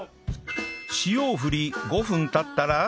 塩を振り５分経ったら